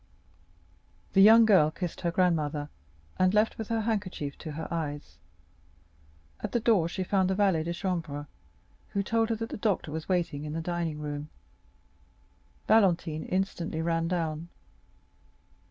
The young girl kissed her grandmother, and left with her handkerchief to her eyes; at the door she found the valet de chambre, who told her that the doctor was waiting in the dining room. Valentine instantly ran down.